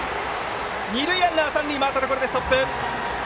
二塁ランナーは三塁回ったところでストップ。